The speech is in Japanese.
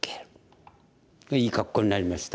いい格好になりました。